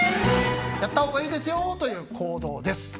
やったほうがいいですよという行動です。